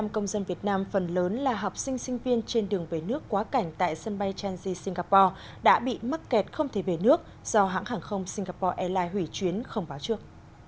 một mươi công dân việt nam phần lớn là học sinh sinh viên trên đường về nước quá cảnh tại sân bay changi singapore đã bị mắc kẹt không thể về nước do hãng hàng không singapore airlines hủy chuyến không báo trước